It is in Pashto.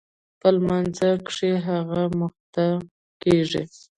په لمانځه کښې هغه مخته کېږي.